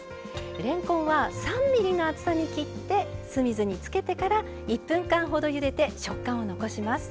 れんこんは３ｍｍの厚さに切って酢水につけてから１分間ほどゆでて食感を残します。